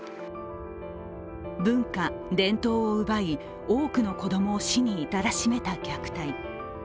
文化・伝統を奪い多くの子供を死に至らしめた虐待。